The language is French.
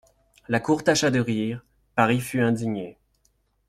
La cour tâcha de rire ; Paris fut indigné.